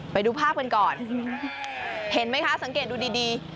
ไปดูภาพกันก่อนเห็นไหมคะสังเกตดูดี